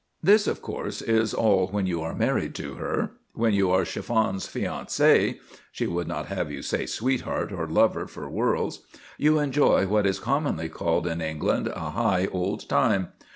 This, of course, is all when you are married to her. When you are Chiffon's fiancé (she would not have you say sweetheart or lover for worlds), you enjoy what is commonly called in England a high old time.